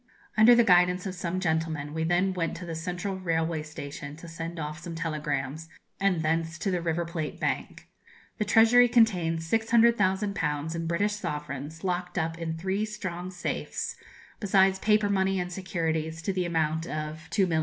Under the guidance of some gentlemen, we then went to the Central Railway Station to send off some telegrams, and thence to the River Plate Bank. The treasury contains 600,000_l_. in British sovereigns, locked up in three strong safes, besides paper money and securities to the amount of 2,000,000_l_.